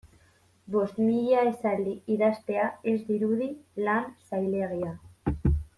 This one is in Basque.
Bost mila esaldi idaztea ez dirudi lan zailegia.